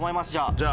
じゃあ。